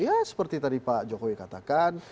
ya seperti tadi pak jokowi katakan